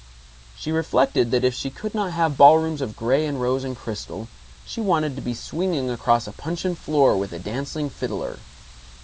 She reflected that if she could not have ballrooms of gray and rose and crystal, she wanted to be swinging across a puncheon floor with a dancing fiddler.